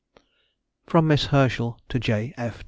FROM MISS HERSCHEL TO J.